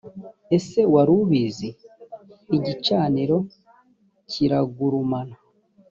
ese wari ubizi ? igicaniro kiragurumana